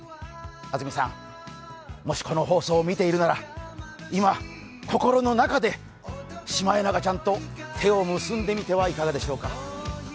安住さん、もしこの放送を見ているなら今、心の中でシマエナガちゃんと手を結んでみてはいかがでしょうか。